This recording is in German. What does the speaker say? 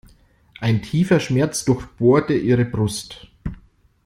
Ein tiefer Schmerz durchbohrte ihre Brust.